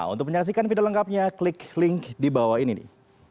untuk menyaksikan video lengkapnya klik link di bawah ini nih